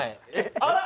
あら！